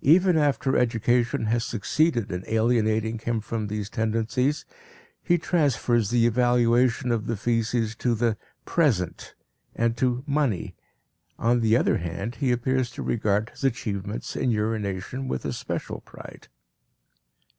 Even after education has succeeded in alienating him from these tendencies, he transfers the evaluation of the faeces to the "present" and to "money." On the other hand, he appears to regard his achievements in urination with especial pride.